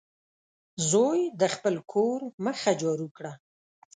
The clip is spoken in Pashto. زوی د خپل کور مخه جارو کړه.